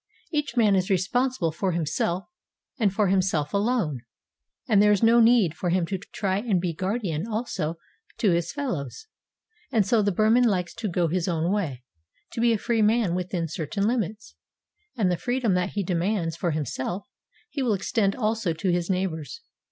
Each man is responsible for himself and for himself alone, and there is no need for him to try and be guardian also to his fellows. And so the Burman likes to go his own way, to be a free man within certain limits; and the freedom that he demands for himself, he will extend also to his neighbours.